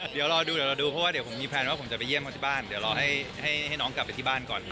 เดี๋ยวรอดูเดี๋ยวรอดูเพราะว่าเดี๋ยวผมมีแพลนว่าผมจะไปเยี่ยมเขาที่บ้านเดี๋ยวรอให้น้องกลับไปที่บ้านก่อน